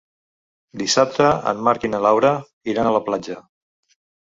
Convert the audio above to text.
Dissabte en Marc i na Laura iran a la platja.